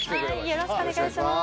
よろしくお願いします